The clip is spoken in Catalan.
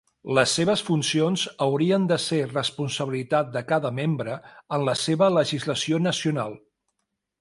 Les seves funcions haurien de ser responsabilitat de cada membre en la seva legislació nacional.